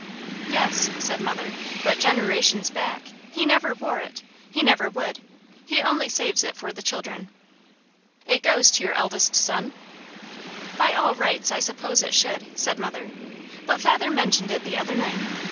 "Yes," said mother, "but generations back. He never wore it. He never would. He only saves it for the children." "It goes to your eldest son?" "By rights, I suppose it should," said mother. "But father mentioned it the other night.